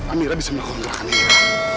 amira bisa melakukan lahan ini